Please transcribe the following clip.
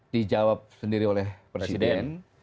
dijawab sendiri oleh presiden